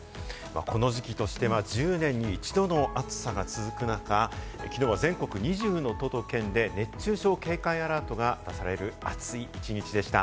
この時期としては１０年に一度の暑さが続く中、きのうは全国２０の都と県で熱中症警戒アラートが出される暑い一日でした。